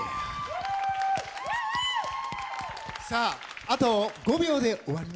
さああと５秒で終わります。